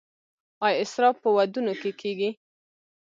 آیا اسراف په ودونو کې کیږي؟